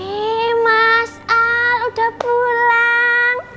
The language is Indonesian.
ini mas al udah pulang